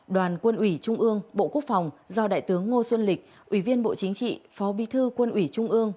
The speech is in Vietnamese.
đoàn quân ủy trung ương bộ quốc phòng do đại tướng ngô xuân lịch ủy viên bộ chính trị phó bi thư quân ủy trung ương